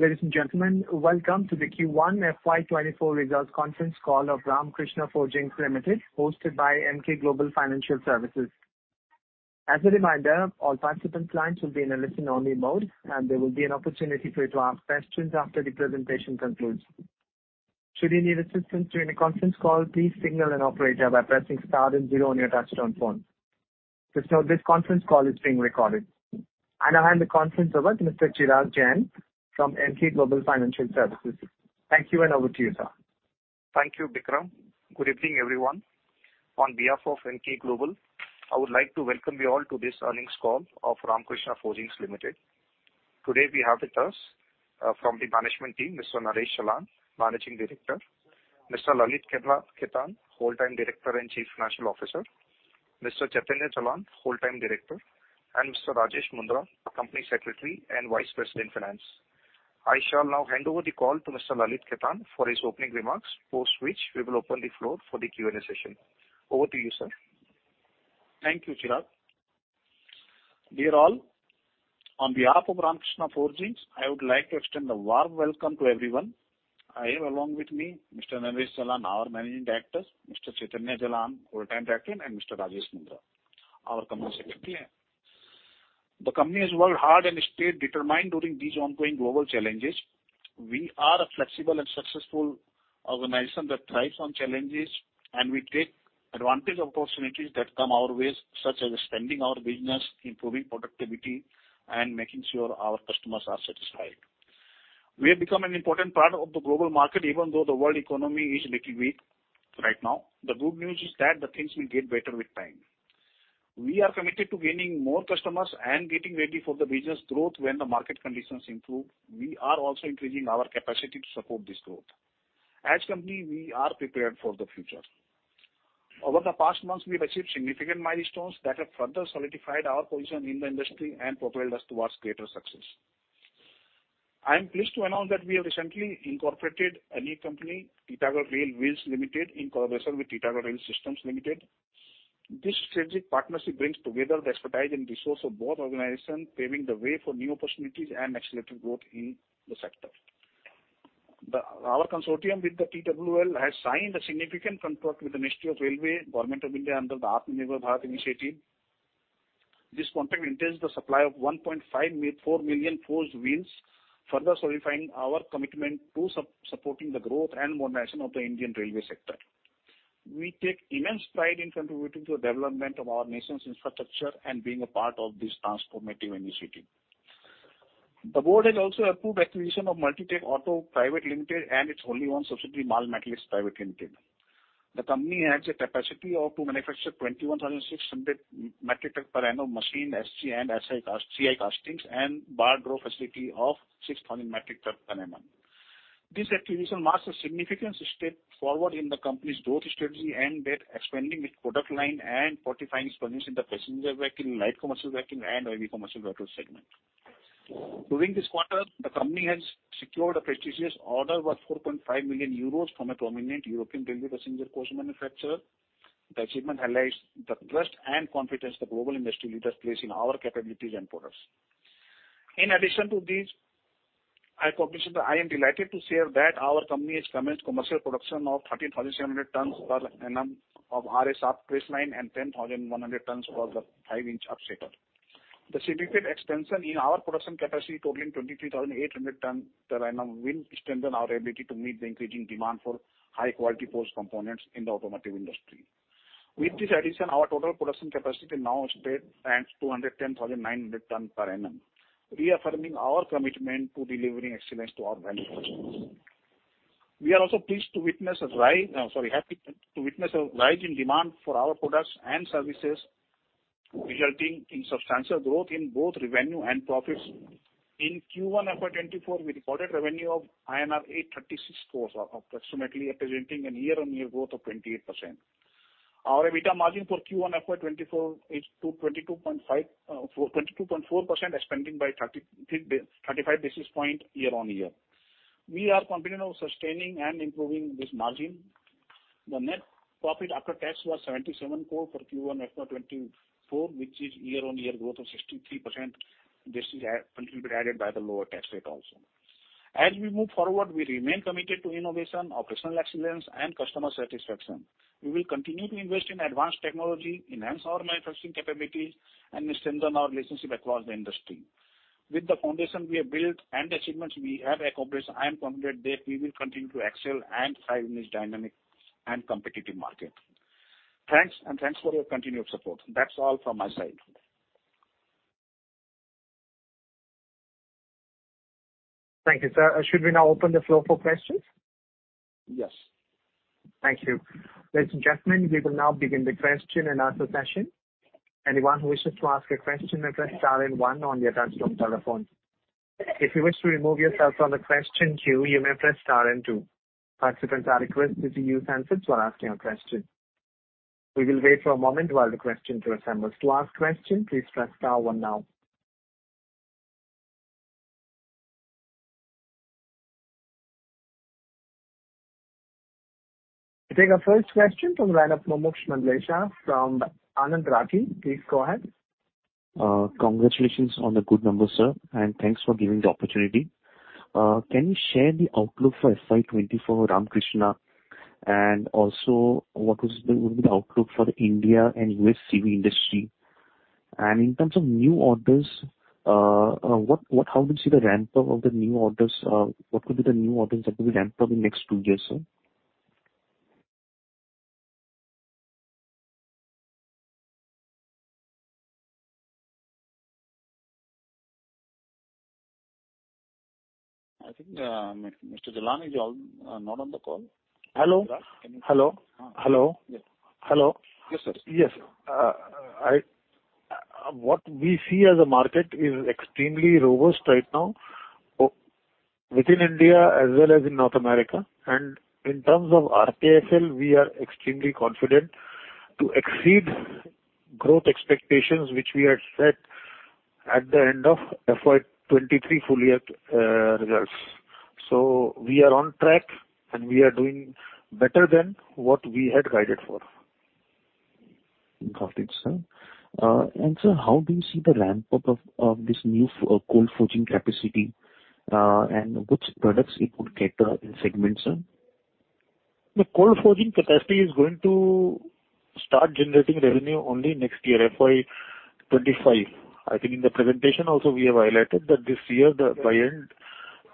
Ladies and gentlemen, welcome to the Q1 FY 2024 results conference call of Ramkrishna Forgings Limited, hosted by Emkay Global Financial Services. As a reminder, all participant lines will be in a listen-only mode, and there will be an opportunity for you to ask questions after the presentation concludes. Should you need assistance during the conference call, please signal an operator by pressing star and zero on your touchtone phone. Just note, this conference call is being recorded. I hand the conference over to Mr. Chirag Jain from Emkay Global Financial Services. Thank you, over to you, sir. Thank you, Bikram. Good evening, everyone. On behalf of Emkay Global, I would like to welcome you all to this earnings call of Ramkrishna Forgings Limited. Today, we have with us from the management team, Mr. Naresh Jalan, Managing Director; Mr. Lalit Khetan, Whole-Time Director and Chief Financial Officer; Mr. Chaitanya Jalan, Whole-Time Director; and Mr. Rajesh Mundhra, Company Secretary and Vice President, Finance. I shall now hand over the call to Mr. Lalit Khetan for his opening remarks, post which we will open the floor for the Q&A session. Over to you, sir. Thank you, Chirag. Dear all, on behalf of Ramkrishna Forgings, I would like to extend a warm welcome to everyone. I have along with me Mr. Naresh Jalan, our Managing Director, Mr. Chaitanya Jalan, Full-time Director, and Mr. Rajesh Mundhra, our Company Secretary. The company has worked hard and stayed determined during these ongoing global challenges. We are a flexible and successful organization that thrives on challenges, and we take advantage of opportunities that come our way, such as expanding our business, improving productivity, and making sure our customers are satisfied. We have become an important part of the global market, even though the world economy is little weak right now. The good news is that the things will get better with time. We are committed to gaining more customers and getting ready for the business growth when the market conditions improve. We are also increasing our capacity to support this growth. As a company, we are prepared for the future. Over the past months, we've achieved significant milestones that have further solidified our position in the industry and propelled us towards greater success. I am pleased to announce that we have recently incorporated a new company, Titagarh Rail Wheels Limited, in collaboration with Titagarh Rail Systems Limited. This strategic partnership brings together the expertise and resource of both organizations, paving the way for new opportunities and accelerated growth in the sector. Our consortium with the TWL has signed a significant contract with the Ministry of Railways, Government of India, under the Atmanirbhar Bharat initiative. This contract entails the supply of 4 million forged wheels, further solidifying our commitment to supporting the growth and modernization of the Indian railway sector. We take immense pride in contributing to the development of our nation's infrastructure and being a part of this transformative initiative. The board has also approved acquisition of Multitech Auto Private Limited and its wholly-owned subsidiary, Mal Metalliks Private Limited. The company has a capacity to manufacture 21,600 metric ton Machined SG & CI Castings and bar draw facility of 6,000 metric ton per annum. This acquisition marks a significant step forward in the company's growth strategy and expanding its product line and fortifying its presence in the passenger vehicle, light commercial vehicle, and heavy commercial vehicle segment. During this quarter, the company has secured a prestigious order worth 4.5 million euros from a prominent European railway passenger coach manufacturer. The achievement highlights the trust and confidence the global industry leaders place in our capabilities and products. In addition to these, I am delighted to share that our company has commenced commercial production of 13,700 tons per annum of R A shaft press line and 10,100 tons for the 5” Upsetter. The significant expansion in our production capacity, totaling 23,800 ton per annum, will strengthen our ability to meet the increasing demand for high-quality forged components in the automotive industry. With this addition, our total production capacity now stands at 210,900 ton per annum, reaffirming our commitment to delivering excellence to our valued customers. We are also happy to witness a rise in demand for our products and services, resulting in substantial growth in both revenue and profits. In Q1 FY 2024, we recorded revenue of INR 836 crore, approximately representing a year-on-year growth of 28%. Our EBITDA margin for Q1 FY 2024 is 22.4%, expanding by 35 basis points year-on-year. We are confident of sustaining and improving this margin. The net profit after tax was 77 crore for Q1 FY 2024, which is year-on-year growth of 63%. This is contributed by the lower tax rate also. We move forward, we remain committed to innovation, operational excellence, and customer satisfaction. We will continue to invest in advanced technology, enhance our manufacturing capabilities, and strengthen our relationship across the industry. With the foundation we have built and the achievements we have accomplished, I am confident that we will continue to excel and thrive in this dynamic and competitive market. Thanks, and thanks for your continued support. That's all from my side. Thank you, sir. Should we now open the floor for questions? Yes. Thank you. Ladies and gentlemen, we will now begin the question-and-answer session. Anyone who wishes to ask a question may press star and one on your touchtone telephone. If you wish to remove yourself from the question queue, you may press star and two. Participants are requested to use handsets while asking a question. We will wait for a moment while the question to assemble. To ask question, please press star one now. We take our first question from the line of Mumuksh Mandlesha from Anand Rathi. Please go ahead. Congratulations on the good numbers, sir, thanks for giving the opportunity. Can you share the outlook for FY 2024 Ramkrishna, and also what would be the outlook for the India and U.S. CV industry? In terms of new orders, how do you see the ramp-up of the new orders? What could be the new orders that will be ramped up in the next two years, sir? I think, Mr. Jalan is not on the call. Hello? Hello, hello. Yes. Hello. Yes, sir. What we see as a market is extremely robust right now, within India as well as in North America. In terms of RKFL, we are extremely confident to exceed growth expectations, which we had set at the end of FY 2023 full year results. We are on track, and we are doing better than what we had guided for. Got it, sir. Sir, how do you see the ramp-up of this new cold forging capacity, and which products it would cater in segment, sir? The cold forging capacity is going to start generating revenue only next year, FY 2025. I think in the presentation also we have highlighted that this year, the by end,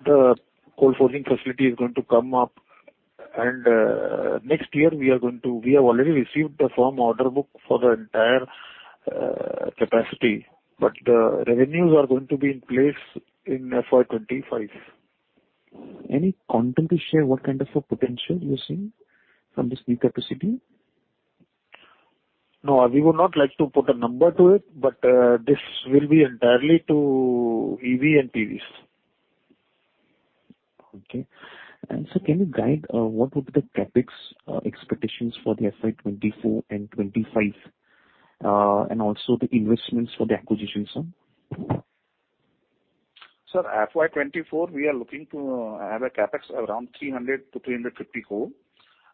the cold forging facility is going to come up, and next year we have already received the firm order book for the entire capacity, but the revenues are going to be in place in FY 2025. Any content to share what kind of a potential you're seeing from this new capacity? No, we would not like to put a number to it, but this will be entirely to EV and PVs. Okay. sir, can you guide, what would be the CapEx, expectations for the FY 2024 and 2025, and also the investments for the acquisitions, sir? Sir, FY 2024, we are looking to have a CapEx around 300 crore-350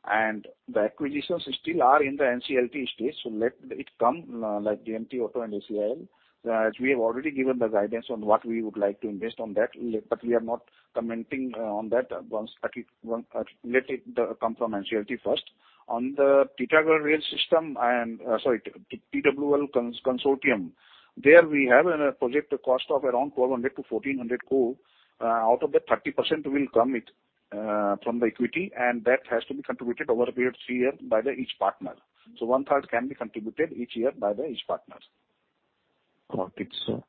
crore. The acquisitions still are in the NCLT stage, so let it come, like JMT Auto and ACIL. As we have already given the guidance on what we would like to invest on that, but we are not commenting on that once let it come from NCLT first. On the Titagarh Rail Systems and TWL consortium, there we have a project cost of around 1,200 crore-1,400 crore. Out of that 30% will come from the equity, and that has to be contributed over a period of three years by the each partner. one-third can be contributed each year by the each partner. Got it, sir.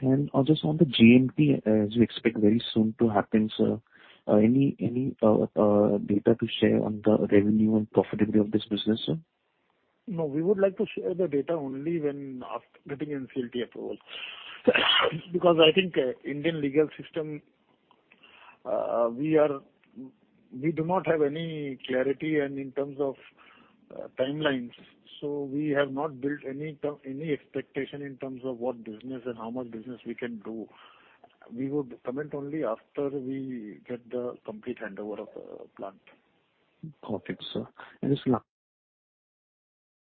And just on the JMT, as you expect very soon to happen, sir, any data to share on the revenue and profitability of this business, sir? No, we would like to share the data only when after getting NCLT approval. I think, Indian Legal System, we do not have any clarity and in terms of timelines, so we have not built any term, any expectation in terms of what business and how much business we can do. We would comment only after we get the complete handover of the plant. Got it, sir. just-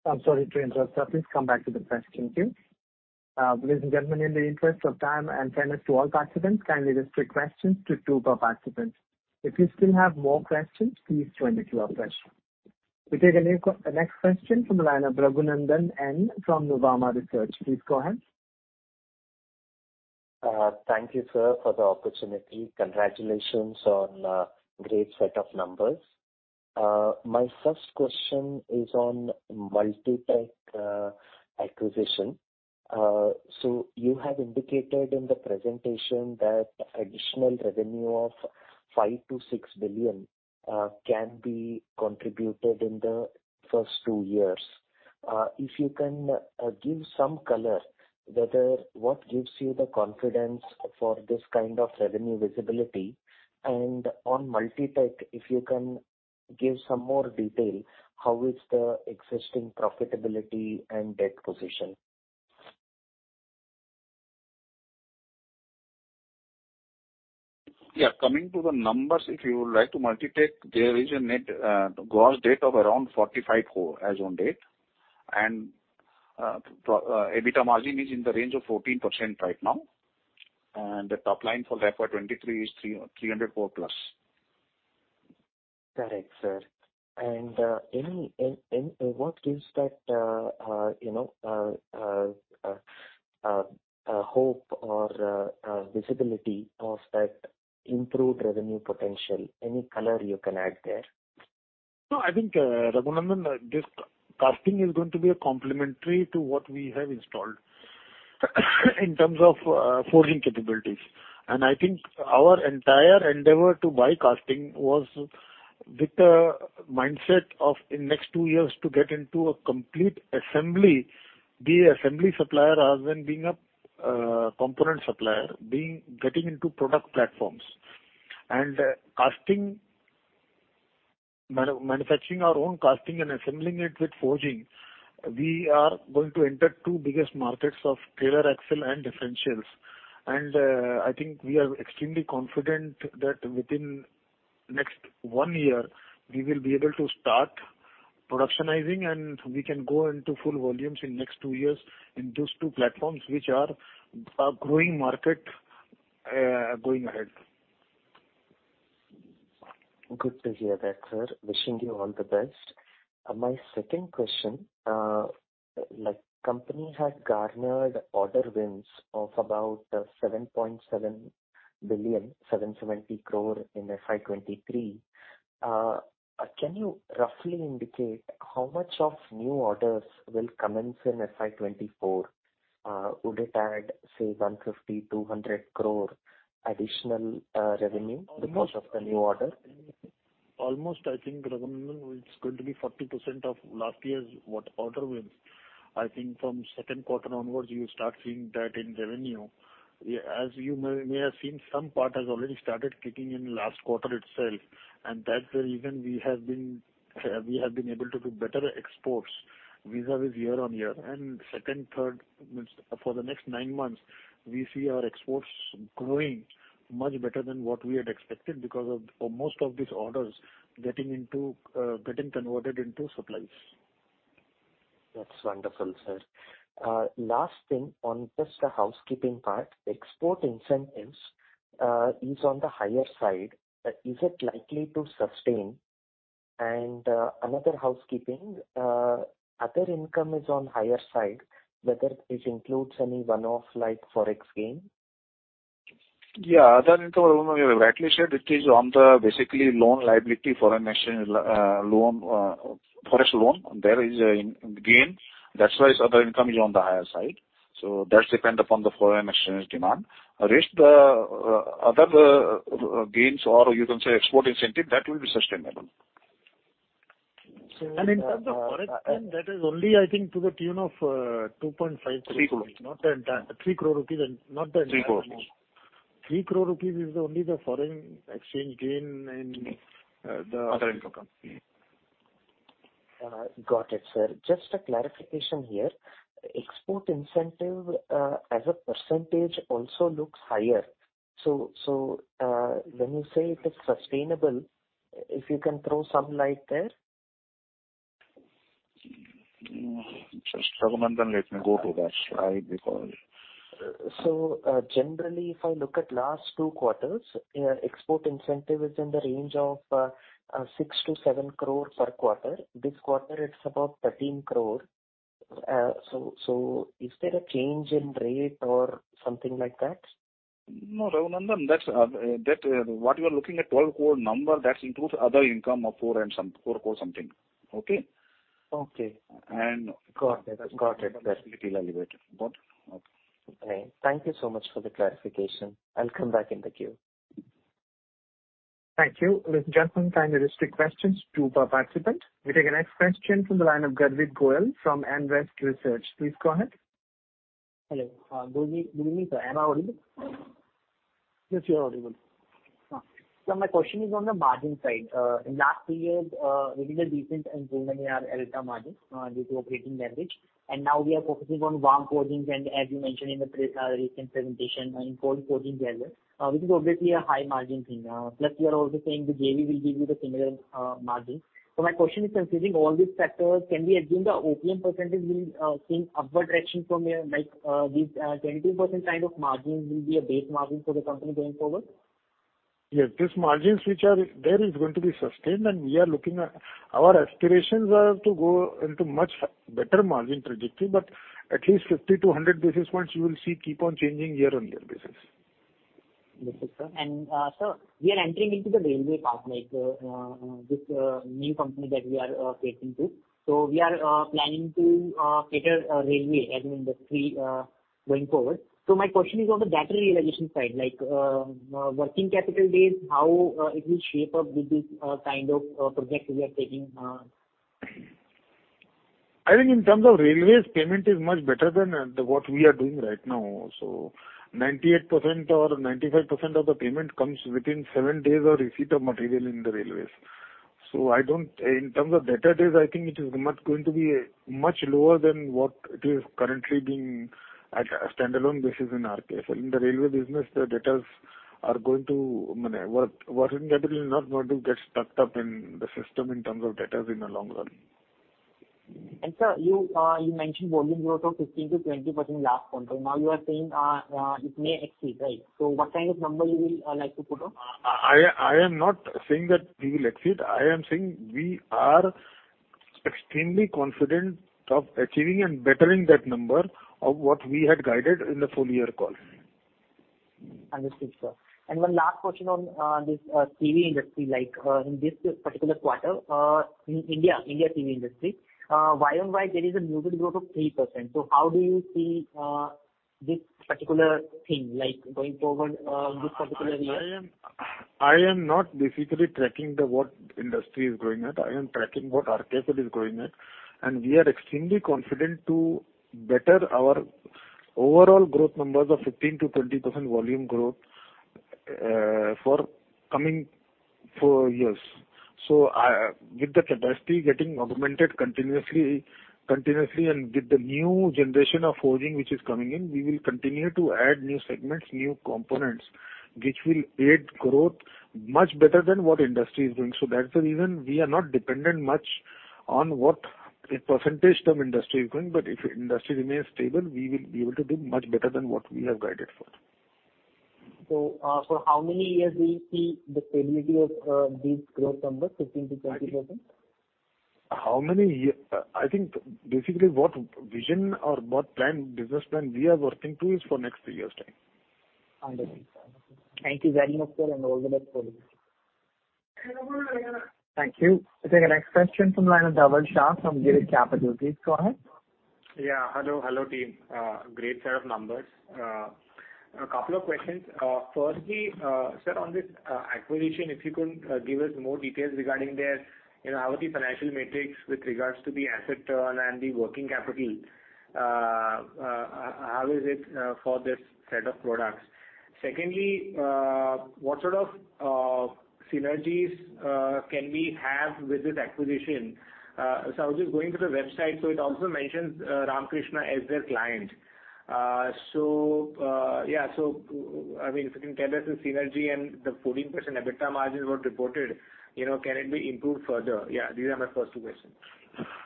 I'm sorry to interrupt, sir. Please come back to the question queue. Ladies and gentlemen, in the interest of time and fairness to all participants, kindly restrict questions to two per participant. If you still have more questions, please join the queue afresh. We take the next question from the line of Raghunandhan NL from Nuvama Research. Please go ahead. Thank you, sir, for the opportunity. Congratulations on great set of numbers. My first question is on Multitech acquisition. You have indicated in the presentation that additional revenue of 5 billion-6 billion can be contributed in the first two years. If you can give some color, whether what gives you the confidence for this kind of revenue visibility? On Multitech, if you can give some more detail, how is the existing profitability and debt position? Yeah. Coming to the numbers, if you would like, to Multitech, there is a net, gross debt of around 45 crore as on date, and EBITDA margin is in the range of 14% right now, and the top line for FY 2023 is 300+ crore. Correct, sir. Any, what gives that, you know, hope or visibility of that improved revenue potential? Any color you can add there? No, I think, Raghunandan, this casting is going to be a complementary to what we have installed, in terms of, forging capabilities. I think our entire endeavor to buy casting was with the mindset of in next two years to get into a complete assembly, be a assembly supplier rather than being a, component supplier, getting into product platforms. Casting, manufacturing our own casting and assembling it with forging, we are going to enter two biggest markets of trailer axle and differentials. I think we are extremely confident that within next one year, we will be able to start productionizing, and we can go into full volumes in next two years in those two platforms, which are a growing market, going ahead. Good to hear that, sir. Wishing you all the best. My second question, like, company had garnered order wins of about 7.7 billion, 770 crore in FY 2023. Can you roughly indicate how much of new orders will commence in FY 2024? Would it add, say, 150 crore-200 crore additional revenue because of the new order? Almost, I think, Raghunandhan it's going to be 40% of last year's what order wins. I think from second quarter onwards, you'll start seeing that in revenue. As you may have seen, some part has already started kicking in last quarter itself, and that's the reason we have been able to do better exports vis-a-vis year-on-year. Second, third, means for the next nine months, we see our exports growing much better than what we had expected because of most of these orders getting into, getting converted into supplies. That's wonderful, sir. last thing on just the housekeeping part, export incentives, is on the higher side. Is it likely to sustain? Another housekeeping, other income is on higher side, whether it includes any one-off, like forex gain? Yeah. Other income, you rightly said, it is on the basically loan liability for a national loan, forex loan. There is a gain. That's why Other income is on the higher side, that's depend upon the foreign exchange demand. Rest, other gains or you can say export incentive, that will be sustainable. In terms of forex gain, that is only, I think, to the tune of 3 crores rupees. Not the entire INR 3 crores. 3 crore rupees and not the 3 crores rupees. 3 crore rupees is only the foreign exchange gain in the... Other income. Got it, sir. Just a clarification here. Export incentive, as a percentage also looks higher. When you say it is sustainable, if you can throw some light there. Just a moment. Let me go through that. I'll be calling. Generally, if I look at last two quarters, export incentive is in the range of 6 crore-7 crore per quarter. This quarter, it's about 13 crore. Is there a change in rate or something like that? No, Raghunandhan, that's that what you are looking at, 12 crore number, that includes other income of 4 crore something. Okay? Okay. And- Got it. Got it. That will be elevated. Got it, okay. Thank you so much for the clarification. I'll come back in the queue. Thank you. Ladies and gentlemen, kindly restrict questions, two per participant. We take the next question from the line of Garvit Goyal from Nvest Research. Please go ahead. Hello. Good evening, sir. Am I audible? Yes, you are audible. My question is on the margin side. In last three years, we did a decent improvement in our delta margin due to operating leverage, and now we are focusing on warm forging and as you mentioned in the recent presentation in cold forging as well, which is obviously a high margin thing. Plus, you are also saying the JV will give you the similar margin. So my question is: considering all these factors, can we assume the OPM percentage will see upward traction from here, like this 20% kind of margin will be a base margin for the company going forward? Yes, these margins which are there is going to be sustained. We are looking at. Our aspirations are to go into much better margin trajectory. At least 50-100 basis points you will see keep on changing year-on-year basis. Understood, sir. Sir, we are entering into the railway part, like, this new company that we are getting to. We are planning to cater railway as an industry going forward. My question is on the battery realization side, like, working capital days, how it will shape up with this kind of project we are taking? I think in terms of railways, payment is much better than what we are doing right now. 98% or 95% of the payment comes within seven days of receipt of material in the railways. In terms of debtor days, I think it is much going to be much lower than what it is currently being at a standalone basis in RKFL. In the railway business, the debtors are going to, I mean, working capital is not going to get stucked up in the system in terms of debtors in the long run. Sir, you mentioned volume growth of 15%-20% last quarter. Now you are saying, it may exceed, right? What kind of number you will like to put on? I am not saying that we will exceed. I am saying we are extremely confident of achieving and bettering that number of what we had guided in the full year call. Understood, sir. One last question on this CV industry, like, in this particular quarter, in India CV industry, year-on-year, there is a muted growth of 3%. How do you see this particular thing, like, going forward, this particular year? I am not basically tracking the what industry is growing at. I am tracking what RKL is growing at, and we are extremely confident to better our overall growth numbers of 15%-20% volume growth for coming four years. With the capacity getting augmented continuously, and with the new generation of forging which is coming in, we will continue to add new segments, new components, which will aid growth much better than what industry is doing. That's the reason we are not dependent much on what a percentage term industry is going, but if industry remains stable, we will be able to do much better than what we have guided for. How many years will you see the stability of these growth numbers, 15%-20%? I think basically what vision or what plan, business plan we are working to is for next three years' time. Understood. Thank you very much, sir, and all the best for you. Thank you. We'll take the next question from line of Dhaval Shah from Girik Capital. Please go ahead. Yeah. Hello, hello, team. Great set of numbers. A couple of questions. Firstly, sir, on this acquisition, if you could give us more details regarding this. You know, how are the financial metrics with regards to the asset turn and the working capital? How is it for this set of products? Secondly, what sort of synergies can we have with this acquisition? I was just going to the website, so it also mentions Ramkrishna as their client. I mean, if you can tell us the synergy and the 14% EBITDA margins were reported, you know, can it be improved further? Yeah, these are my first two questions.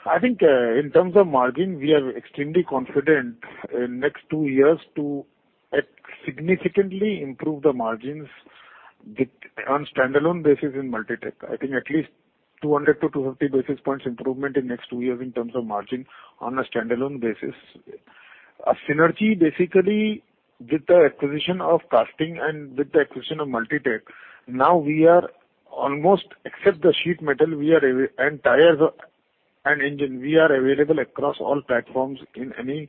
I think, in terms of margin, we are extremely confident in next two years to significantly improve the margins with on standalone basis in Multitech. I think at least 200-250 basis points improvement in next two years in terms of margin on a standalone basis. A synergy, basically, with the acquisition of casting and with the acquisition of Multitech, now we are almost, except the sheet metal, and tires and engine, we are available across all platforms in any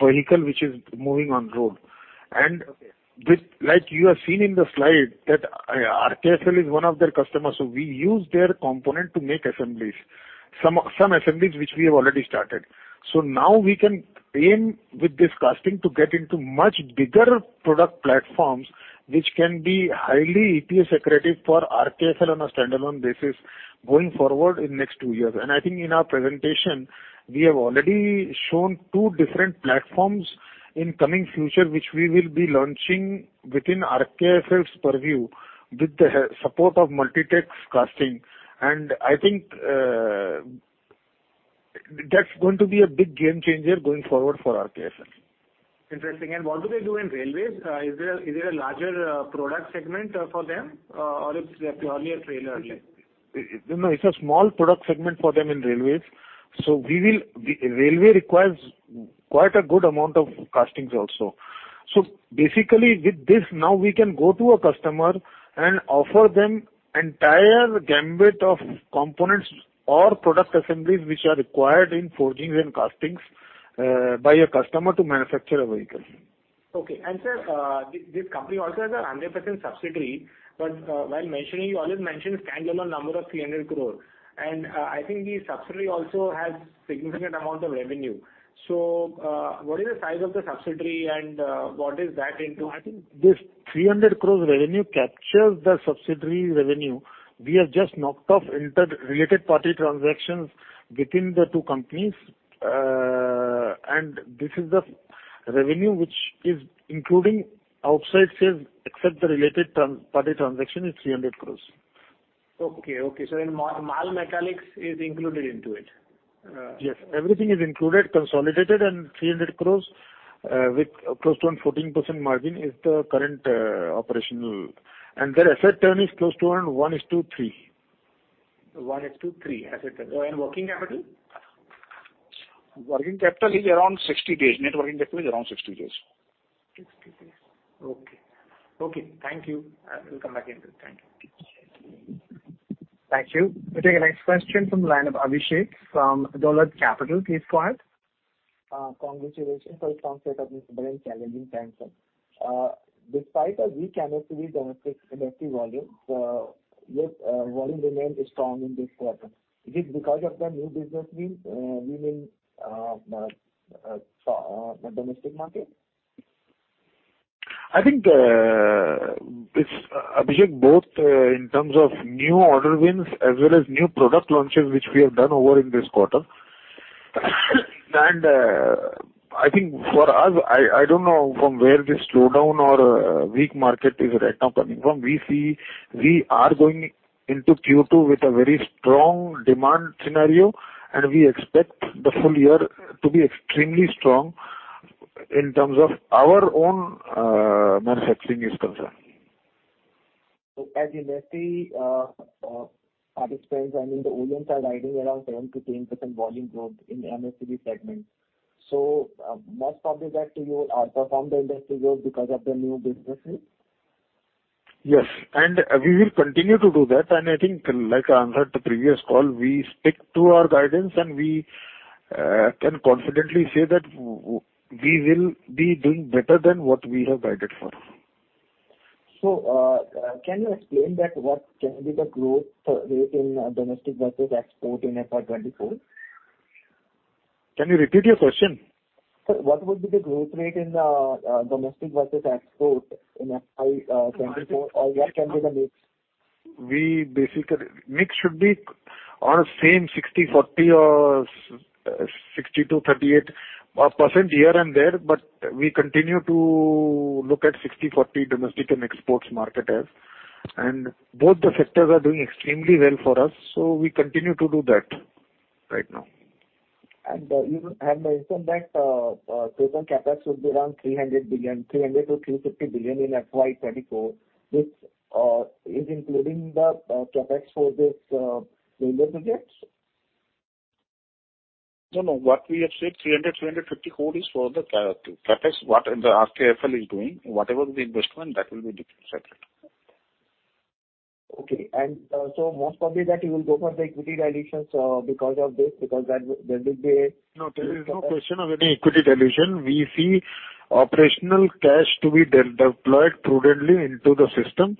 vehicle which is moving on road. With, like you have seen in the slide, that, RKFL is one of their customers, so we use their component to make some assemblies which we have already started. Now we can aim with this casting to get into much bigger product platforms, which can be highly EPS accretive for RKFL on a standalone basis going forward in next two years. I think in our presentation, we have already shown two different platforms in coming future, which we will be launching within RKFL's purview with the support of Multitech's casting. I think that's going to be a big game changer going forward for RKFL. Interesting. What do they do in railways? Is there a larger product segment for them, or it's purely a trailer only? No, it's a small product segment for them in railways. Railway requires quite a good amount of castings also. Basically, with this, now we can go to a customer and offer them entire gamut of components or product assemblies which are required in forgings and castings by a customer to manufacture a vehicle. Okay. Sir, this company also has a 100% subsidiary, while mentioning, you always mention standalone number of 300 crore. I think the subsidiary also has significant amount of revenue. What is the size of the subsidiary and what is that into? I think this 300 crores revenue captures the subsidiary revenue. We have just knocked off inter- related party transactions between the two companies. This is the revenue which is including outside sales, except the related party transaction is 300 crores. Okay, okay. Mal Metalliks is included into it? Yes. Everything is included, consolidated, 300 crore, with close to on 14% margin is the current, operational. Their asset turn is close to around 1:3. 1:3, asset turn. Working capital? Working capital is around 60 days. Net working capital is around 60 days. 60 days. Okay. Okay, thank you. I will come back into it. Thank you. Thank you. We take the next question from the line of Abhishek from Dolat Capital. Please go ahead. Congratulations on strong set of challenging times, sir. Despite a weak chemistry domestic elective volume, with volume remained strong in this quarter. Is it because of the new business wins, winning the domestic market? I think, Abhishek, both in terms of new order wins as well as new product launches, which we have done over in this quarter. I think for us, I don't know from where this slowdown or weak market is right now coming from. We see we are going into Q2 with a very strong demand scenario, and we expect the full year to be extremely strong in terms of our own manufacturing is concerned. As you may see, our experience, I mean, the volumes are riding around 10%-10% volume growth in the MHCV segment. Most probably that to you outperform the industry growth because of the new businesses? Yes, we will continue to do that. I think, like I answered the previous call, we stick to our guidance, and we can confidently say that we will be doing better than what we have guided for. Can you explain that, what can be the growth rate in domestic versus export in FY 2024? Can you repeat your question? Sir, what would be the growth rate in the domestic versus export in FY 2024, or what can be the mix? We basically mix should be on the same 60/40 or 60%-38% here and there. We continue to look at 60/40 domestic and exports market as. Both the sectors are doing extremely well for us. We continue to do that right now. You have mentioned that total CapEx will be around 300 billion-350 billion in FY 2024, which is including the CapEx for this railway projects? No, no. What we have said, 300 crore-350 crore is for the CapEx, what in the RKFL is doing. Whatever the investment, that will be separate. Okay. Most probably that you will go for the equity dilutions, because of this. There is no question of any equity dilution. We see operational cash to be deployed prudently into the system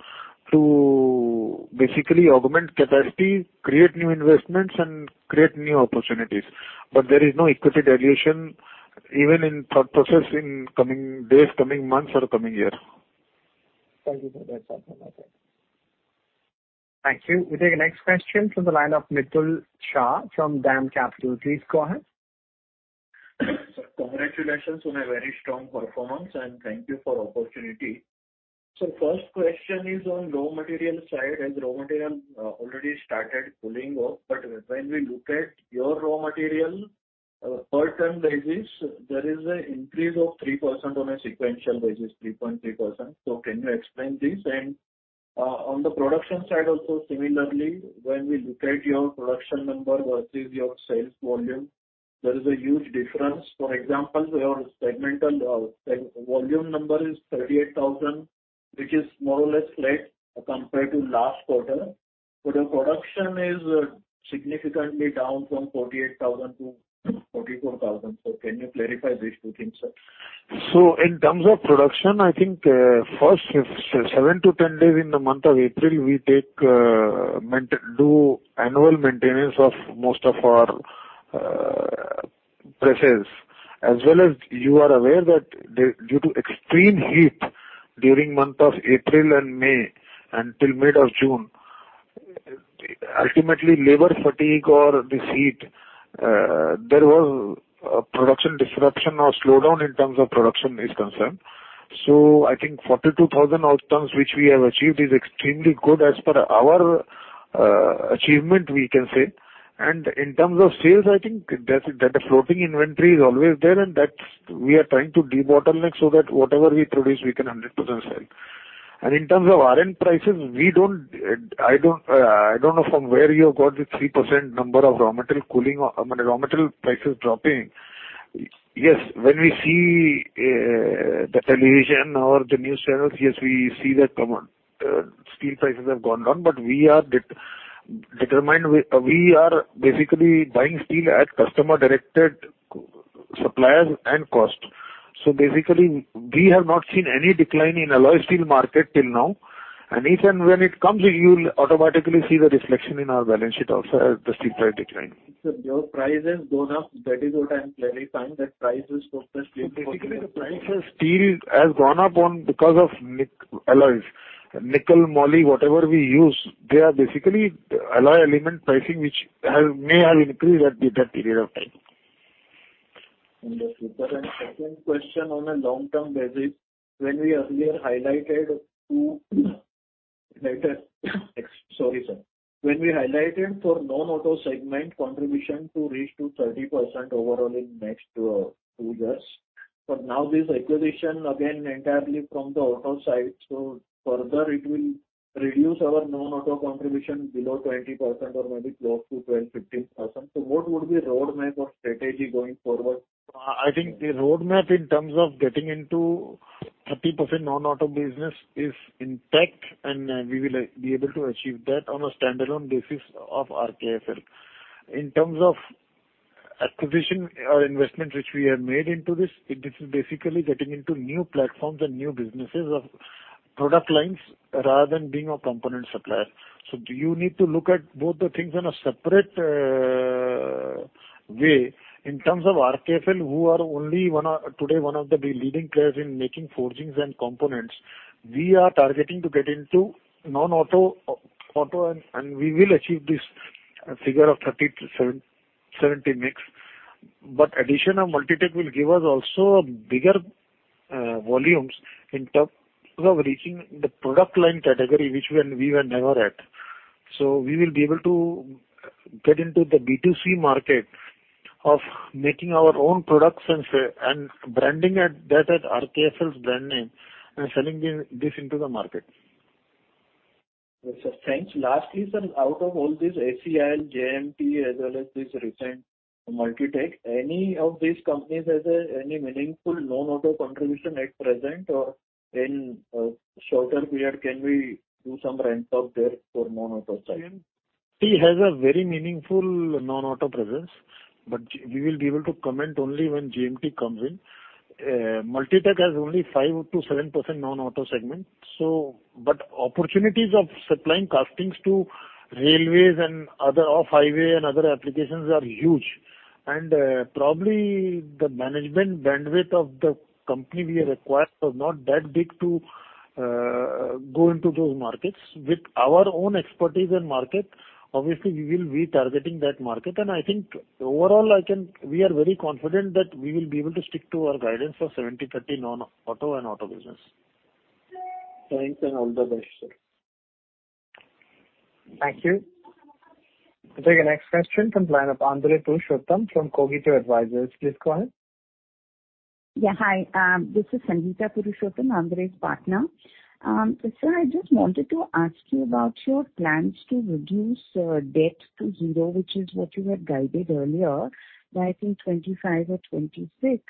to basically augment capacity, create new investments, and create new opportunities. There is no equity dilution, even in thought process in coming days, coming months, or coming year. Thank you, sir. That's all from my side. Thank you. We take the next question from the line of Mitul Shah from DAM Capital. Please go ahead. Sir, congratulations on a very strong performance, and thank you for opportunity. First question is on raw material side, as raw material already started pulling off. When we look at your raw material per ton basis, there is a increase of 3% on a sequential basis, 3.3%. Can you explain this? On the production side, also similarly, when we look at your production number versus your sales volume, there is a huge difference. For example, your segmental segment volume number is 38,000, which is more or less flat compared to last quarter. Your production is significantly down from 48,000 to 44,000. Can you clarify these two things, sir? In terms of production, I think, first seven to 10 days in the month of April, we do annual maintenance of most of our presses. As well as you are aware that due to extreme heat during month of April and May, until mid of June, ultimately, labor fatigue or this heat, there was a production disruption or slowdown in terms of production is concerned. I think 42,000 out turns, which we have achieved, is extremely good as per our achievement, we can say. In terms of sales, I think that the floating inventory is always there, and that's we are trying to debottleneck so that whatever we produce, we can 100% sell. In terms of iron prices, we don't, I don't, I don't know from where you have got the 3% number of raw material cooling, I mean, raw material prices dropping. Yes, when we see the television or the news channels, yes, we see that steel prices have gone down, but we are determined. We are basically buying steel at customer-directed suppliers and cost. Basically, we have not seen any decline in alloy steel market till now. If and when it comes, you'll automatically see the reflection in our balance sheet also, as the steel price decline. Sir, your price has gone up. That is what I'm clarifying, that price is for the steel- Basically, the price of steel has gone up because of nic- alloys. Nickel, moly, whatever we use, they are basically alloy element pricing, which may have increased at that period of time. Understood. Second question on a long-term basis, when we highlighted for non-auto segment contribution to reach to 30% overall in next two years, but now this acquisition again entirely from the auto side, so further it will reduce our non-auto contribution below 20% or maybe close to 12%, 15%. What would be roadmap or strategy going forward? I think the roadmap in terms of getting into 30% non-auto business is intact, and we will be able to achieve that on a standalone basis of RKFL. In terms of acquisition or investment which we have made into this, it is basically getting into new platforms and new businesses of product lines, rather than being a component supplier. You need to look at both the things in a separate way. In terms of RKFL, who are only today, one of the leading players in making forgings and components, we are targeting to get into non-auto, auto, and we will achieve this figure of 30-70 mix. Addition of Multitech will give us also bigger volumes in terms of reaching the product line category, which we were never at. We will be able to get into the B2C market of making our own products and branding at RKFL's brand name and selling this into the market. Yes, sir. Thanks. Lastly, sir, out of all these ACIL, JMT, as well as this recent Multitech, any of these companies has any meaningful non-auto contribution at present, or in a shorter period, can we do some ramp up there for non-auto side? JMT has a very meaningful non-auto presence, but we will be able to comment only when JMT comes in... Multitech has only 5%-7% non-auto segment. But opportunities of supplying castings to railways and other off-highway and other applications are huge. Probably the management bandwidth of the company we acquired are not that big to go into those markets. With our own expertise and market, obviously, we will be targeting that market. I think overall, we are very confident that we will be able to stick to our guidance of 70/30 non-auto and auto business. Thanks and all the best, sir. Thank you. We'll take the next question from line of Andrey Purushottam from Cogito Advisors. Please go ahead. Yeah, hi, this is Sangeeta Purushottam, Andrey's partner. I just wanted to ask you about your plans to reduce debt to zero, which is what you had guided earlier, by, I think, 2025 or 2026.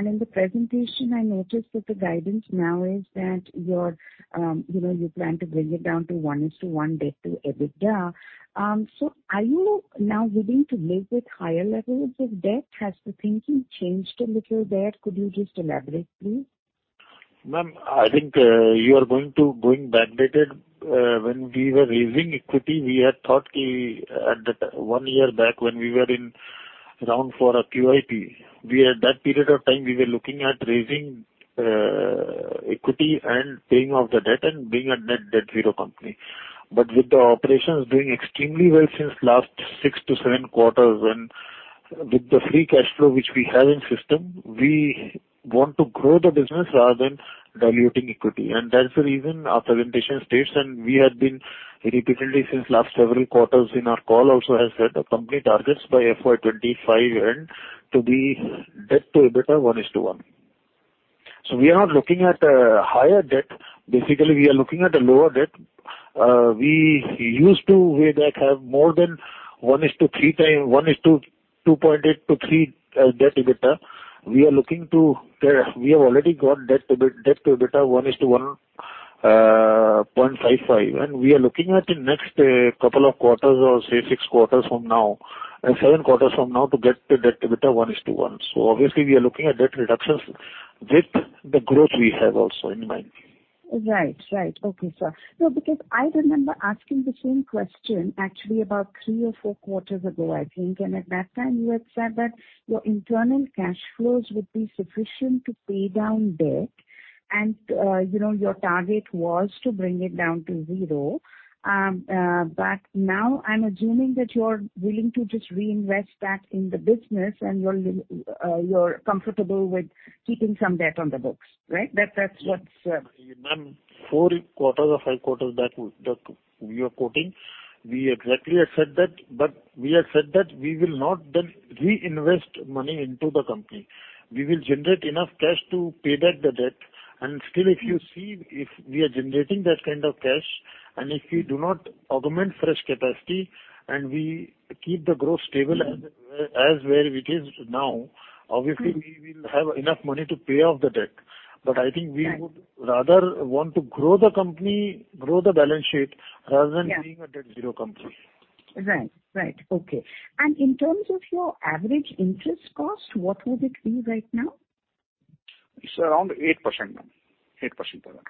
In the presentation, I noticed that the guidance now is that you're, you know, you plan to bring it down to 1:1, debt-to-EBITDA. Are you now willing to live with higher levels of debt? Has the thinking changed a little there? Could you just elaborate, please? Ma'am, I think, you are going backdated. When we were raising equity, we had thought that one year back when we were in round for a QIP, we at that period of time, we were looking at raising, equity and paying off the debt and being a net debt zero company. With the operations doing extremely well since last six to seven quarters, and with the free cash flow which we have in system, we want to grow the business rather than diluting equity. That's the reason our presentation states, and we have been repeatedly since last several quarters in our call also has said the company targets by FY 2025 end to be debt-to-EBITDA 1:1. We are not looking at a higher debt. Basically, we are looking at a lower debt. We used to, with that, have more than 1:2.8, 1:3 debt EBITDA. We have already got debt-to-EBITDA 1:1.55. We are looking at the next couple of quarters or, say, six quarters from now, seven quarters from now, to get the debt-to-EBITDA 1:1. Obviously, we are looking at debt reductions with the growth we have also in mind. Right. Right. Okay, sir. No, because I remember asking the same question actually about three or four quarters ago, I think. At that time, you had said that your internal cash flows would be sufficient to pay down debt and, you know, your target was to bring it down to zero. Now I'm assuming that you are willing to just reinvest that in the business and you're comfortable with keeping some debt on the books, right? That's what's. Ma'am, four quarters or five quarters that you are quoting, we exactly have said that, but we have said that we will not then reinvest money into the company. We will generate enough cash to pay back the debt. Still, if you see, if we are generating that kind of cash, and if we do not augment fresh capacity, and we keep the growth stable as where it is now, obviously we will have enough money to pay off the debt. Right. I think we would rather want to grow the company, grow the balance sheet. Yeah. rather than being a debt zero company. Right. Right. Okay. In terms of your average interest cost, what would it be right now? It's around 8%, ma'am. 8% per annum.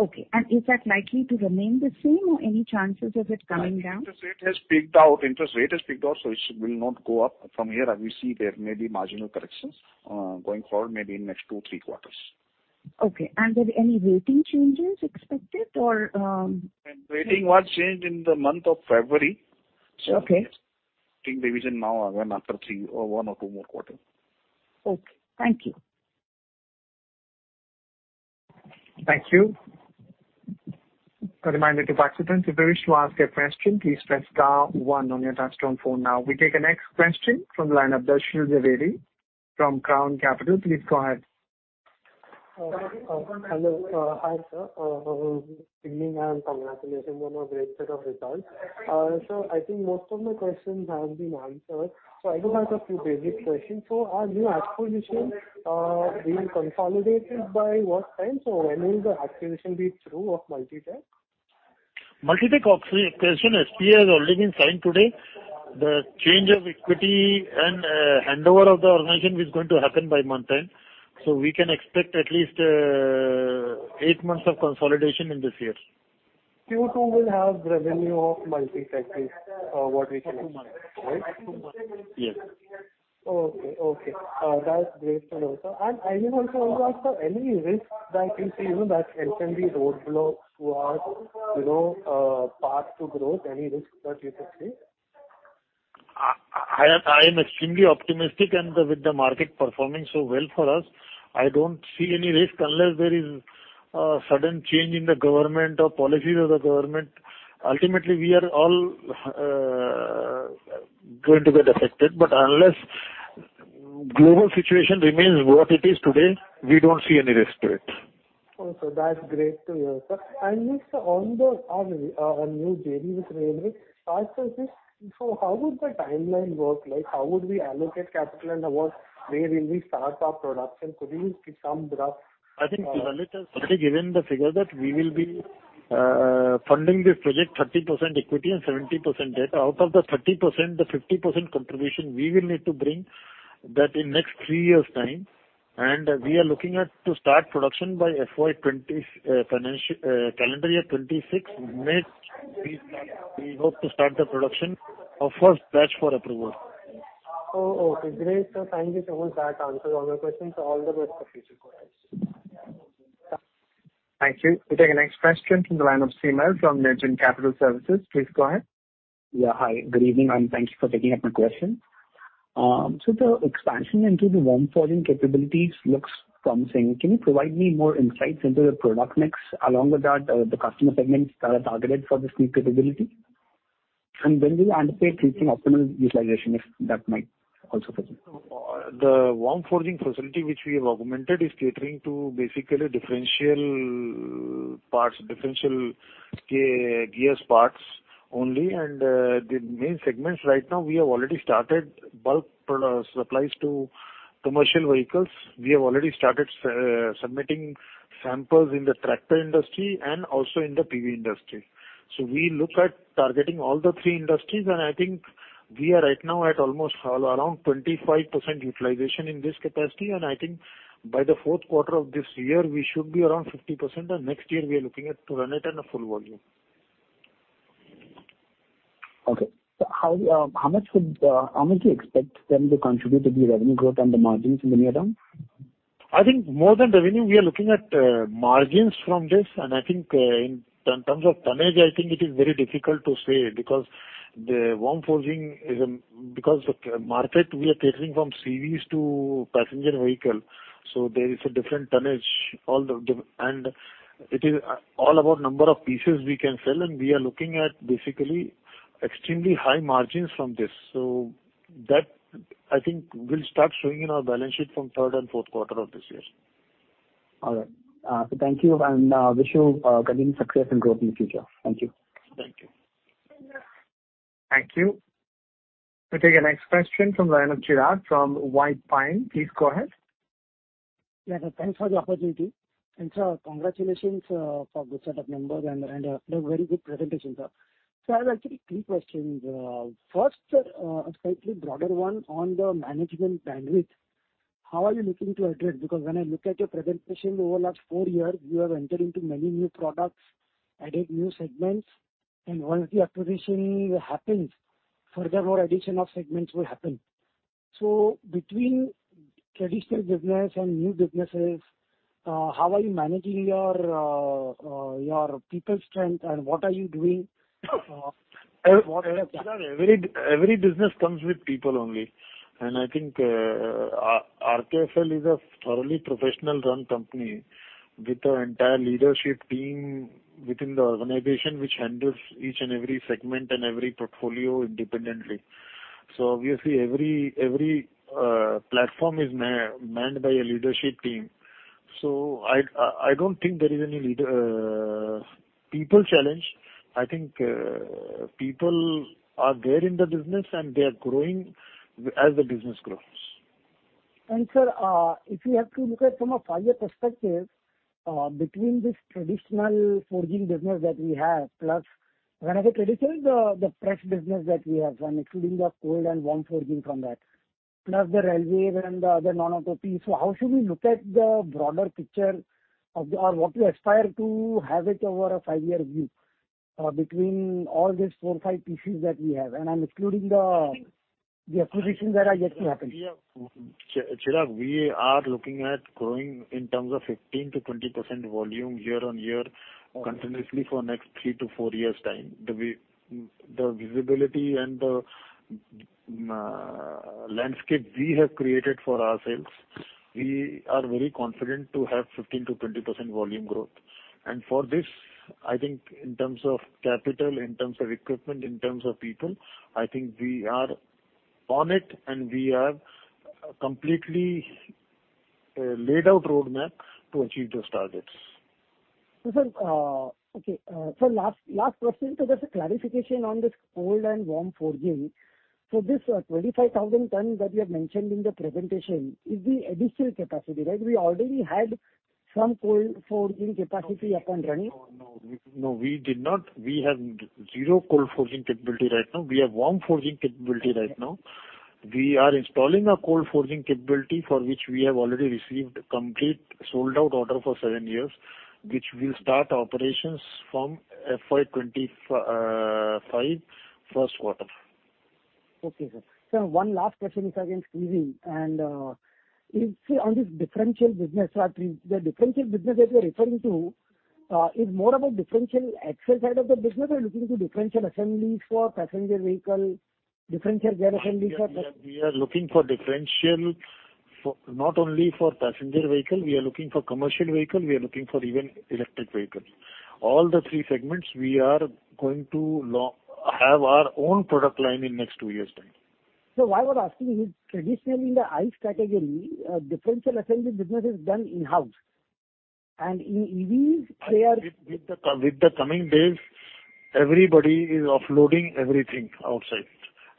Okay. Is that likely to remain the same, or any chances of it coming down? Interest rate has peaked out. It will not go up from here, and we see there may be marginal corrections going forward, maybe in next two, three quarters. Okay. Are there any rating changes expected or? Rating was changed in the month of February. Okay. I think the reason now when after three or one or two more quarters. Okay. Thank you. Thank you. A reminder to participants, if you wish to ask a question, please press star 1 on your touchtone phone now. We take the next question from the line of Darshil Jhaveri from Crown Capital. Please go ahead. Hello. Hi, sir. Good evening, and congratulations on a great set of results. I think most of my questions have been answered, so I just have a few basic questions. Are new acquisitions, being consolidated by what time? When will the acquisition be through of Multitech? Multitech acquisition, SPA has already been signed today. The change of equity and handover of the organization is going to happen by month end. We can expect at least 8 months of consolidation in this year. Q2 will have revenue of Multitech is, what we can expect. Yes. Okay, that's great to know, sir. I will also want to ask, any risks that you see, you know, that can be roadblocks to our, you know, path to growth, any risks that you could see? I am extremely optimistic, and with the market performing so well for us, I don't see any risk unless there is a sudden change in the government or policies of the government. Ultimately, we are all going to get affected, unless global situation remains what it is today, we don't see any risk to it. Okay, that's great to hear, sir. Also on the new journey with railway, how would the timeline work? Like, how would we allocate capital and where will we start our production? Could you give some rough? I think Lalit has already given the figure that we will be funding this project, 30% equity and 70% debt. Out of the 30%, the 50% contribution we will need to bring that in next three years' time. We are looking at to start production by FY 20- calendar year 2026, mid we start, we hope to start the production of first batch for approval. Oh, okay. Great, sir. Thank you. That answers all my questions, so all the best for future queries. Thank you. We take the next question from the line of Simar from Negen Capital Services. Please go ahead. Yeah. Hi, good evening, and thank you for taking up my question. The expansion into the warm forging capabilities looks promising. Can you provide me more insights into the product mix, along with that, the customer segments that are targeted for this new capability? When do you anticipate reaching optimal utilization, if that might also be? The warm forging facility, which we have augmented, is catering to basically differential parts, differential gear parts only, and the main segments right now, we have already started bulk product supplies to commercial vehicles. We have already started submitting samples in the tractor industry and also in the PV industry. We look at targeting all the three industries, and I think we are right now at almost around 25% utilization in this capacity. I think by the fourth quarter of this year, we should be around 50%, and next year we are looking at to run it in a full volume. Okay. How, how much would, how much you expect them to contribute to the revenue growth and the margins in the near term? I think more than revenue, we are looking at margins from this, and I think, in terms of tonnage, I think it is very difficult to say, because the warm forging because the market, we are catering from CVs to passenger vehicle, so there is a different tonnage. It is all about number of pieces we can sell, and we are looking at basically extremely high margins from this. That, I think, will start showing in our balance sheet from third and fourth quarter of this year. All right. Thank you, wish you continued success and growth in the future. Thank you. Thank you. Thank you. We take the next question from the line of Chirag from White Pine. Please go ahead. Yeah, thanks for the opportunity. Sir, congratulations for the set of numbers and the very good presentation, sir. I have actually three questions. First, a slightly broader one on the management bandwidth. How are you looking to address? Because when I look at your presentation over the last four years, you have entered into many new products, added new segments, and once the acquisition happens, furthermore, addition of segments will happen. Between traditional business and new businesses, how are you managing your people strength, and what are you doing? Every business comes with people only. I think, RKFL is a thoroughly professional-run company with our entire leadership team within the organization, which handles each and every segment and every portfolio independently. Obviously, every platform is man-manned by a leadership team. I don't think there is any leader people challenge. I think, people are there in the business, and they are growing as the business grows. Sir, if you have to look at from a five-year perspective, between this traditional forging business that we have, plus when I say traditional, the fresh business that we have, and including the cold and warm forging from that, plus the railway and the other non-auto piece. How should we look at the broader picture of the, or what you aspire to have it over a five-year view, between all these four, five pieces that we have? I'm including the acquisitions that are yet to happen. Chirag, we are looking at growing in terms of 15%-20% volume year-on-year, continuously for next three to four years' time. The visibility and the landscape we have created for ourselves, we are very confident to have 15%-20% volume growth. For this, I think in terms of capital, in terms of equipment, in terms of people, I think we are on it, and we have completely laid out roadmap to achieve those targets. Sir, okay, last question, just a clarification on this cold and warm forging. This 25,000 tons that you have mentioned in the presentation is the additional capacity, right? We already had some cold forging capacity up and running. No, no, we did not. We have zero cold forging capability right now. We have warm forging capability right now. We are installing a cold forging capability, for which we have already received complete sold-out order for seven years, which will start operations from FY 2025, first quarter. Okay, sir. Sir, one last question, if I can squeeze in, and, if on this differential business, or the differential business that you're referring to, is more about differential axle side of the business, or you're looking to differential assemblies for passenger vehicle, differential gear assemblies for passenger... We are looking for differential for not only for passenger vehicle, we are looking for commercial vehicle, we are looking for even electric vehicles. All the three segments, we are going to have our own product line in next two years' time. why we're asking is traditionally in the ICE category, differential assembly business is done in-house, and in EVs. With the coming days, everybody is offloading everything outside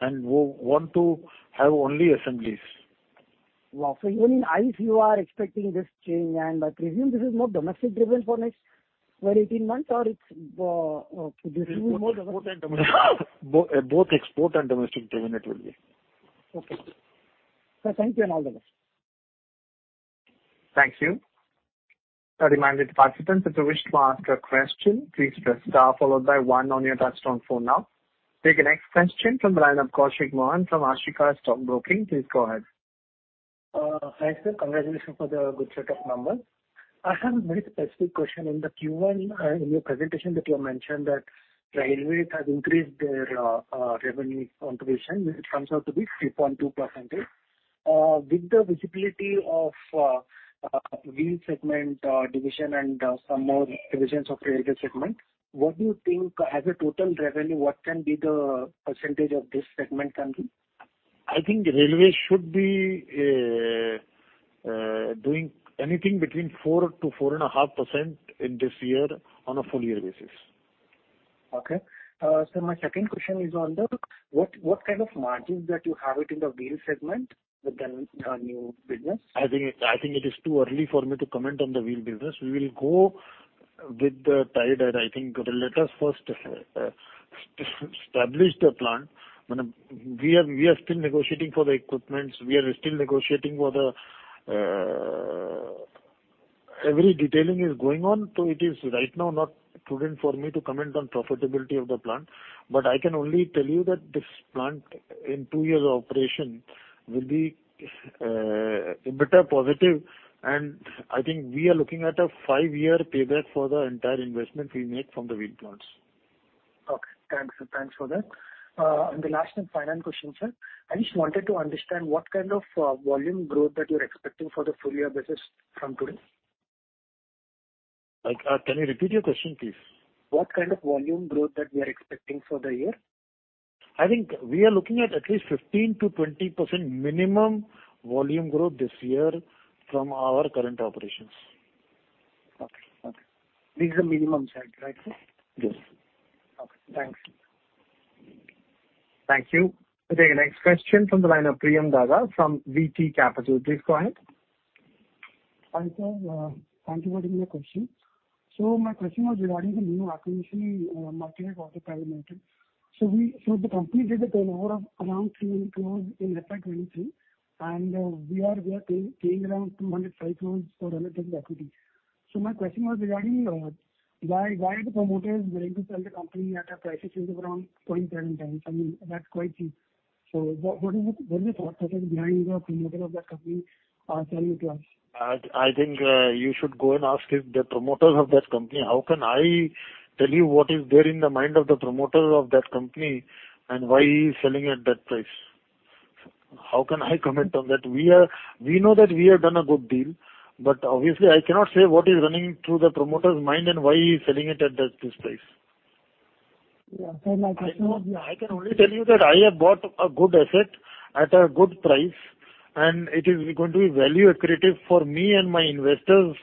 and want to have only assemblies. Wow! Even in ICE, you are expecting this change, and I presume this is more domestic driven for next 12, 18 months, or it's? Both export and domestic driven, it will be. Okay. Sir, thank you, and all the best. Thank you. A reminder to participants, if you wish to ask a question, please press star followed by one on your touchtone phone now. Take the next question from the line of Koushik Mohan from Ashika Stock Broking. Please go ahead. Hi, sir. Congratulations for the good set of numbers. I have a very specific question. In the Q1, in your presentation that you have mentioned that railway has increased their revenue contribution, which comes out to be 3.2%. With the visibility of wheel segment division, and some more divisions of railway segment, what do you think, as a total revenue, what can be the percentage of this segment can be? I think railway should be doing anything between 4%-4.5% in this year on a full year basis. My second question is on the, what kind of margins that you have it in the wheel segment with the new business? I think it is too early for me to comment on the wheel business. We will go with the tire, I think let us first establish the plant. We are still negotiating for the equipments. We are still negotiating for the. Every detailing is going on, so it is right now not prudent for me to comment on profitability of the plant. I can only tell you that this plant, in two years of operation, will be a better positive, I think we are looking at a five-year payback for the entire investment we make from the wheel plants. Okay. Thanks. Thanks for that. The last and final question, sir. I just wanted to understand, what kind of, volume growth that you're expecting for the full year basis from today? Like, can you repeat your question, please? What kind of volume growth that we are expecting for the year? I think we are looking at at least 15%-20% minimum volume growth this year from our current operations. Okay. Okay. This is a minimum set, right, sir? Yes. Okay, thanks. Thank you. We take the next question from the line of Priyum Daga from VT Capital. Please go ahead. Hi, sir. Thank you for taking my question. My question was regarding the new acquisition in Multitech Auto Private Limited. The company did a turnover of around 3 million crores in FY 2023, and we are paying around 205 crores for 100% equity. My question was regarding why are the promoters willing to sell the company at a price which is around 0.7x? I mean, that's quite cheap. What is the thought process behind the promoter of that company, selling it to us? I think you should go and ask if the promoters of that company, how can I tell you what is there in the mind of the promoter of that company, why he is selling at that price? How can I comment on that? We know that we have done a good deal, obviously I cannot say what is running through the promoter's mind and why he is selling it at that, this price. Yeah, like I said. I can only tell you that I have bought a good asset at a good price, and it is going to be value accretive for me and my investors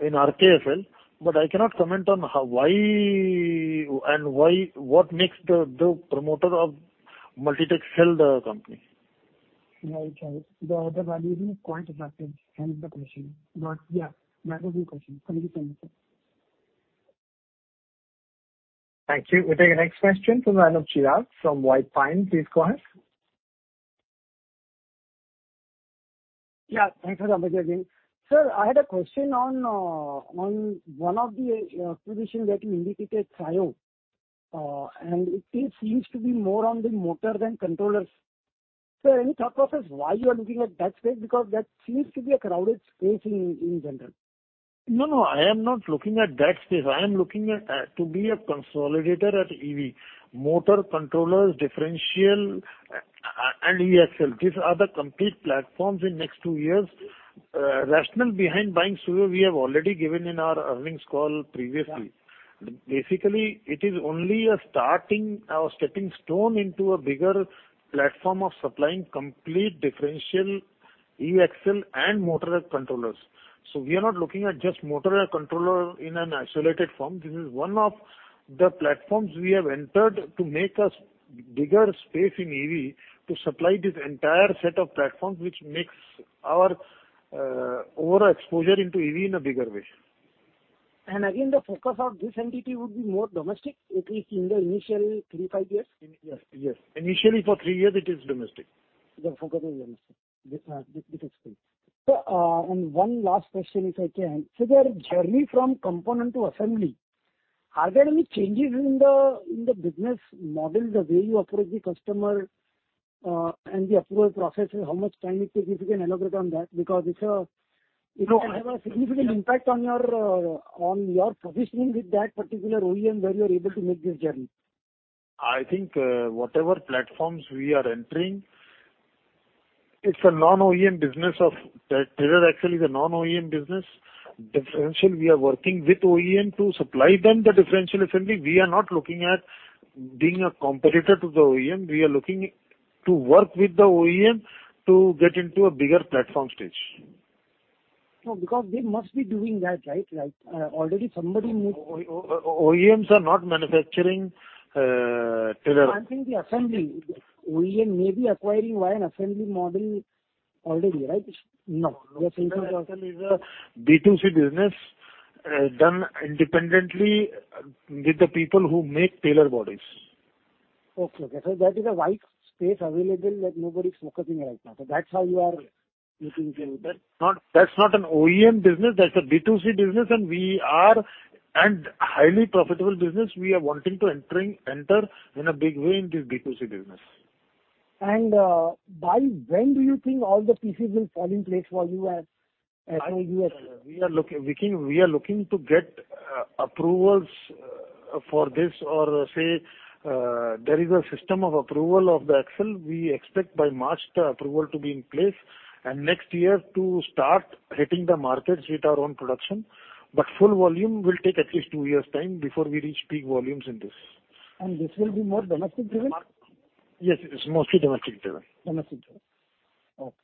in RKFL, but I cannot comment on why and why, what makes the promoter of Multitech sell the company. Right. The valuation is quite attractive. Hence, the question. Yeah, that was the question. Thank you so much, sir. Thank you. We take the next question from the line of Chirag from White Pine. Please go ahead. Yeah, thanks for the opportunity again. Sir, I had a question on on one of the acquisition that you indicated, TSUYO. It seems to be more on the motor than controllers. Sir, any thought process why you are looking at that space? Because that seems to be a crowded space in general. No, no, I am not looking at that space. I am looking at, to be a consolidator at EV. Motor, controllers, differential, and e-axle, these are the complete platforms in next two years. Rationale behind buying TSUYO, we have already given in our earnings call previously. Basically, it is only a starting, stepping stone into a bigger platform of supplying complete differential e-axle and motorized controllers. We are not looking at just motorized controller in an isolated form. This is one of the platforms we have entered to make us bigger space in EV, to supply this entire set of platforms, which makes our, overall exposure into EV in a bigger way. Again, the focus of this entity would be more domestic, at least in the initial three, five years? Yes, yes. Initially, for three years it is domestic. The focus is domestic. This, this is great. And one last question, if I can. The journey from component to assembly, are there any changes in the, in the business model, the way you approach the customer, and the approval processes? How much time it will take, if you can elaborate on that, because it's. No. it can have a significant impact on your, on your positioning with that particular OEM, where you're able to make this journey. I think, whatever platforms we are entering, it's a non-OEM business of. That tire actually is a non-OEM business. Differential, we are working with OEM to supply them the differential assembly. We are not looking at being a competitor to the OEM. We are looking to work with the OEM to get into a bigger platform stage. No, because they must be doing that, right? Like, already somebody... OEMs are not manufacturing, trailer. I think the assembly, OEM may be acquiring via an assembly model already, right? No. Axle is a B2C business, done independently with the people who make trailer bodies. Okay. That is a wide space available that nobody's focusing right now. That's how you are looking into it? That's not an OEM business, that's a B2C business. We are a highly profitable business. We are wanting to enter in a big way in this B2C business. By when do you think all the pieces will fall in place for you as you are- We think we are looking to get approvals for this or say, there is a system of approval of the axle. We expect by March the approval to be in place. Next year to start hitting the markets with our own production. Full volume will take at least two years' time before we reach peak volumes in this. This will be more domestic driven? Yes, it is mostly domestic driven. Domestic driven. Okay.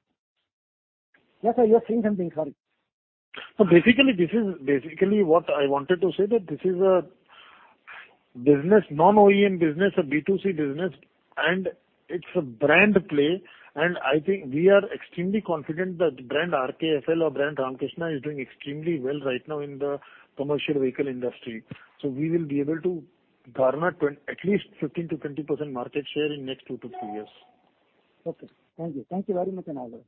Yes, sir, you were saying something, sorry. Basically, this is basically what I wanted to say, that this is a business, non-OEM business, a B2C business, and it's a brand play, and I think we are extremely confident that brand RKFL or brand Ramkrishna is doing extremely well right now in the commercial vehicle industry. We will be able to garner at least 15%-20% market share in next two to three years. Okay. Thank you. Thank you very much and all the best.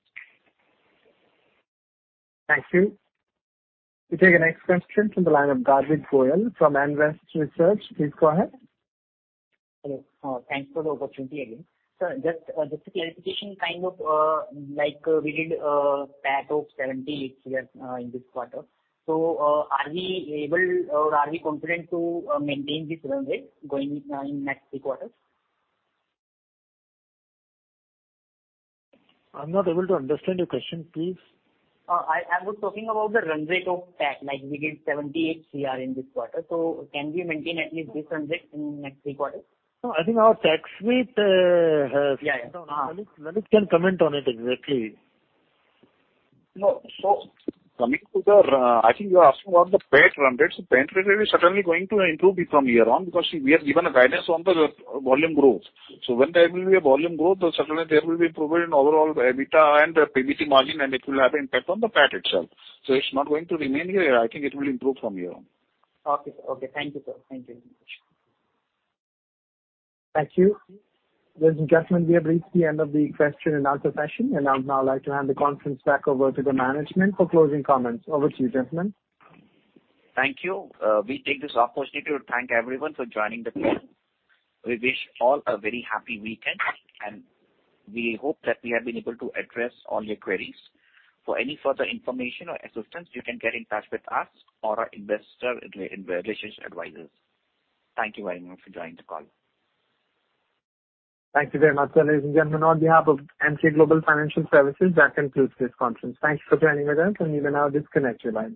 Thank you. We take the next question from the line of Garvit Goyal from Nvest Research. Please go ahead. Hello. Thanks for the opportunity again. Sir, just a clarification, kind of, like, we did PAT of INR 78 here, in this quarter. Are we able or are we confident to maintain this run rate going in next three quarters? I'm not able to understand your question, please. I was talking about the run rate of PAT, like we did 78 crore in this quarter, so can we maintain at least this run rate in next three quarters? I think our tax rate. Yeah. Lalit can comment on it exactly. No. Coming to the, I think you're asking about the PAT run rates. The PAT run rate is certainly going to improve from here on, because we have given a guidance on the volume growth. When there will be a volume growth, certainly there will be improvement in overall EBITDA and the PBT margin, and it will have impact on the PAT itself. It's not going to remain here, I think it will improve from here on. Okay. Okay. Thank you, sir. Thank you very much. Thank you. Ladies and gentlemen, we have reached the end of the question-and-answer session. I would now like to hand the conference back over to the management for closing comments. Over to you, gentlemen. Thank you. We take this opportunity to thank everyone for joining the call. We wish all a very happy weekend, and we hope that we have been able to address all your queries. For any further information or assistance, you can get in touch with us or our investor relations advisors. Thank you very much for joining the call. Thank you very much, sir. Ladies and gentlemen, on behalf of Emkay Global Financial Services, that concludes this conference. Thanks for joining with us. You may now disconnect your lines.